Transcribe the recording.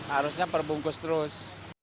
harusnya perbungkus terus